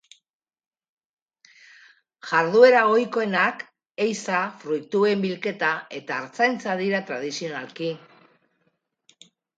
Jarduera ohikoenak ehiza, fruituen bilketa eta artzaintza dira tradizionalki.